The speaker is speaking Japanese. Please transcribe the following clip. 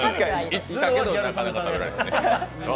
行ったけどなかなかたべられへんと。